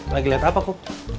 lagi lihat apa kum